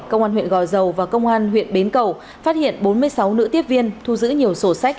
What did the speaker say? công an huyện gò dầu và công an huyện bến cầu phát hiện bốn mươi sáu nữ tiếp viên thu giữ nhiều sổ sách